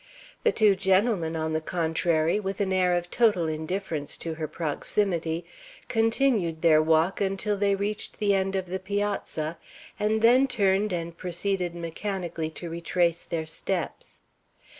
The two gentlemen, on the contrary, with an air of total indifference to her proximity, continued their walk until they reached the end of the piazza, and then turned and proceeded mechanically to retrace their steps.